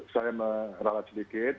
saya merawat sedikit